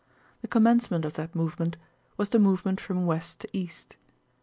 The commencement of that movement was the movement from west to east.